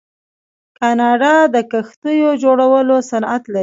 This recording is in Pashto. کاناډا د کښتیو جوړولو صنعت لري.